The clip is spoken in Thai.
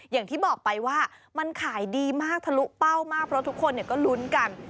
อย่างที่บอกไปว่ามันขายดีมากทะลุเป้ามากเพราะทุกคนก็ลุ้นกัน